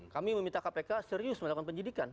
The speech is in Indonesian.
kami meminta kpk serius melakukan penyidikan